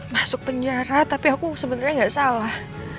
masuk penjara tapi aku sebenernya gak salah